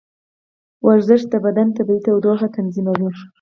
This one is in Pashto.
ورزش د بدن طبیعي تودوخه تنظیموي.